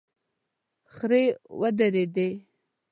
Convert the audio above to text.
خرې ودرېدې.